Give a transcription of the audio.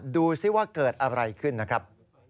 ดูสิว่าเกิดอะไรขึ้นนะครับ